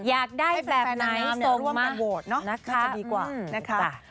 อยากได้แบบไหนส่งมาให้แฟนนางนามร่วมกันโหวตเนอะน่าจะดีกว่านะคะ